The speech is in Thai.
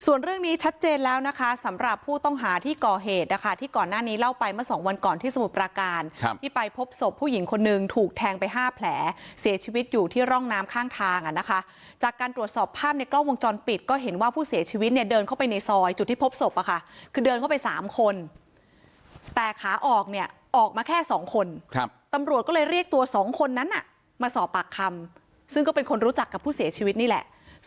ส่วนเรื่องนี้ชัดเจนแล้วนะคะสำหรับผู้ต้องหาที่กอเหตุนะคะที่ก่อนหน้านี้เล่าไปมาสองวันก่อนที่สมุทรปราการที่ไปพบศพผู้หญิงคนหนึ่งถูกแทงไปห้าแผลเสียชีวิตอยู่ที่ร่องน้ำข้างทางอ่ะนะคะจากการตรวจสอบภาพในกล้องวงจรปิดก็เห็นว่าผู้เสียชีวิตเนี่ยเดินเข้าไปในซอยจุดที่พบศพอ่ะค่ะคือเดินเข้าไปสามคนแต